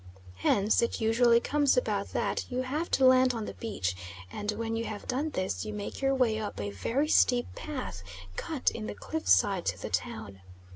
Hence it usually comes about that you have to land on the beach, and when you have done this you make your way up a very steep path, cut in the cliffside, to the town.